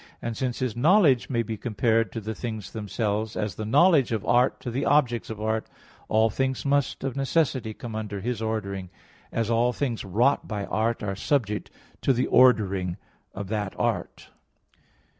And since His knowledge may be compared to the things themselves, as the knowledge of art to the objects of art, all things must of necessity come under His ordering; as all things wrought by art are subject to the ordering of that art.